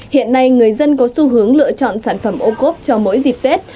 hiện nay người dân có xu hướng lựa chọn sản phẩm ô cốp cho mỗi dịp tết